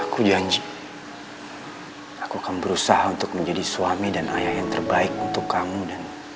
aku janji aku akan berusaha untuk menjadi suami dan ayah yang terbaik untuk kamu dan